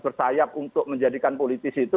bersayap untuk menjadikan politisi itu